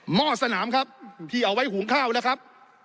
ห้อสนามครับที่เอาไว้หุงข้าวแล้วครับ